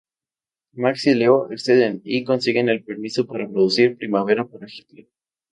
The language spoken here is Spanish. Max y Leo acceden y consiguen el permiso para producir "Primavera para Hitler".